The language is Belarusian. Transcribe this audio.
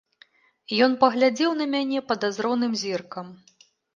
Ён паглядзеў на мяне падазроным зіркам.